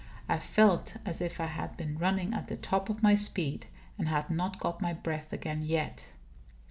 I felt as if I had been running at the top of my speed, and had not got my breath again, yet.